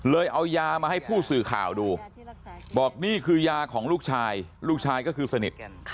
เอายามาให้ผู้สื่อข่าวดูบอกนี่คือยาของลูกชายลูกชายก็คือสนิท